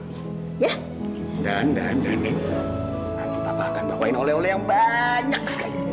nanti papa akan bawa oleh oleh yang banyak